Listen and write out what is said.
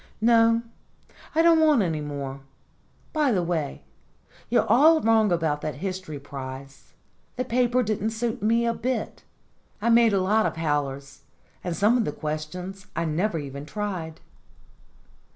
No, I don't want any more. By the way, you're all wrong about the history prize. The paper didn't suit me a bit. I made a lot of howlers, and some of the questions I never even tried."